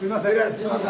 すいません。